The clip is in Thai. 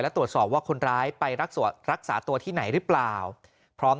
และตรวจสอบว่าคนร้ายไปรักษารักษาตัวที่ไหนหรือเปล่าพร้อม